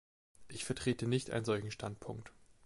Ich vertrete nicht einen solchen Standpunkt.